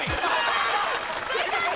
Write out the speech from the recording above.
正解！